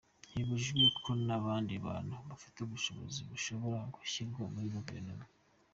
Ntibibujijwe ko n’abandi bantu bafite ubushobozi bashobora gushyirwa muri Guverinoma.